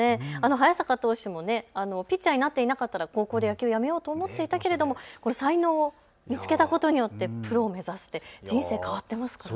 早坂投手もピッチャーになっていなかったら高校で野球をやめようと思っていたけれど才能を見つけたことによってプロを目指す、人生変わってますからね。